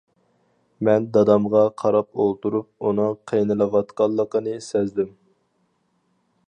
مەن دادامغا قاراپ ئولتۇرۇپ، ئۇنىڭ قىينىلىۋاتقانلىقىنى سەزدىم.